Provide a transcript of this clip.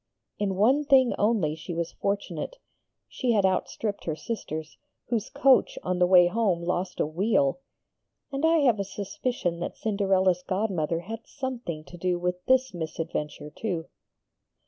In one thing only she was fortunate: she had outstripped her sisters, whose coach on the way home lost a wheel and I have a suspicion that Cinderella's godmother had something to do with this misadventure too.